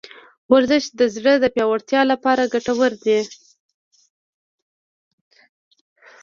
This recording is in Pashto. ورزش د زړه د پیاوړتیا لپاره ګټور دی.